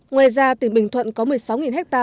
ngoài ra tỉnh bình thuận có một mươi sáu ha